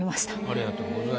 ありがとうございます。